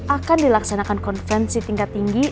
akan dilaksanakan konferensi tingkat tinggi